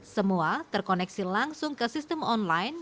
semua terkoneksi langsung ke sistem online